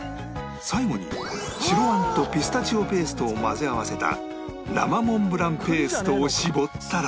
最後に白あんとピスタチオペーストを混ぜ合わせた生モンブランペーストを絞ったら